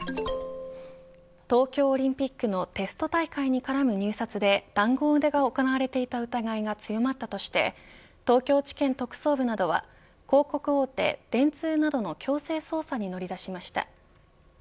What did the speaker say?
東京オリンピックのテスト大会に絡む入札で談合が行われていた疑いが強まったとして東京地検特捜部などは広告大手、電通などの強制捜査に乗り出しました。